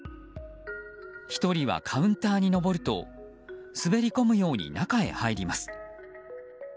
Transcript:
１人はカウンターに上ると滑り込むように中へ入ります。